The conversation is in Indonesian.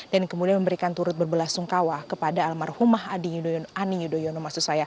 dan kemudian memberikan turut berbelasungkawa kepada almarhumah hani yudhoyono